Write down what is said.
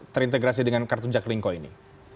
terintegrasi dengan kartu jaklingko ini